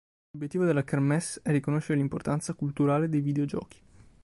L'obiettivo della "kermesse" è riconoscere l'importanza culturale dei videogiochi.